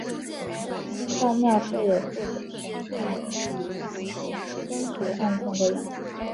新召庙设有负责审判僧俗案件的衙门。